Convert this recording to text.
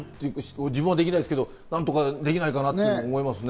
自分はできないですけど、何とかできないかなと思いますね。